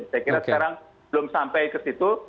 saya kira sekarang belum sampai ke situ